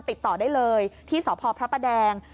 ติดต่อได้เลยที่สพพแดง